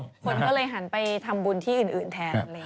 เยอะช่วงนี้คนก็เลยหันไปทำบุญที่อื่นแทน